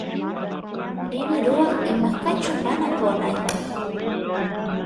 rini ruwaq imaqkachun mana onqonaypaq